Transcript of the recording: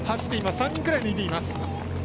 ３人くらい抜いています。